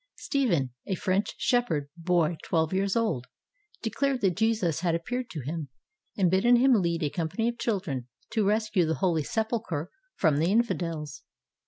Stephen, a French shepherd boy twelve years old, declared that Jesus had appeared to him and bidden him lead a com pany of children to rescue the Holy Sepulcher from the infidels.